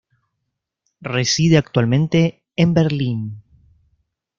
Reside actualmente en Berlín.